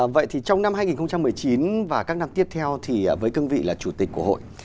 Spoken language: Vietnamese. vậy thì trong năm hai nghìn một mươi chín và các năm tiếp theo thì với cương vị là chủ tịch của hội